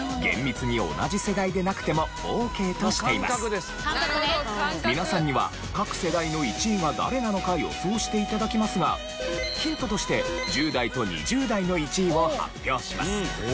さらに皆さんには各世代の１位が誰なのか予想して頂きますがヒントとして１０代と２０代の１位を発表します。